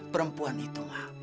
perempuan itu ma